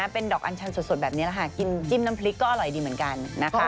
เป็นดอกอัญชันสดแบบนี้แหละค่ะกินจิ้มน้ำพริกก็อร่อยดีเหมือนกันนะคะ